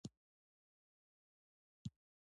ټیکټاک د ځوانانو لپاره د خوشالۍ سرچینه ده.